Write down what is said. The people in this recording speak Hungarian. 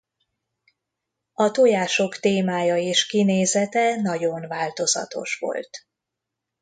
A tojások témája és kinézete nagyon változatos volt.